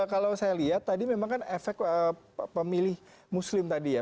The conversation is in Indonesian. kalau saya lihat tadi memang kan efek pemilih muslim tadi ya